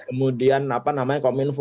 kemudian apa namanya kominfo